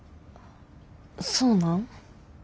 そうなん？